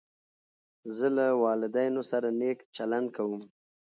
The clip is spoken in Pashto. زه له والدینو سره نېک چلند کوم.